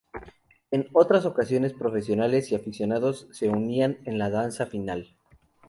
En otras ocasiones, profesionales y aficionados se unían en la danza final.